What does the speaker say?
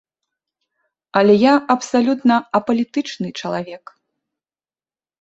Але я абсалютна апалітычны чалавек.